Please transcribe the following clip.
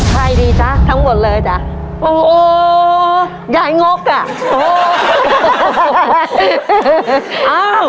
ให้ดีจ๊ะทั้งหมดเลยจ๊ะอโฮยายงกอ่ะโอ้โฮ